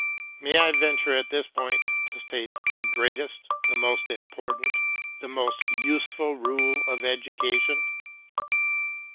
May I venture at this point to state the greatest, the most important, the most useful rule of education?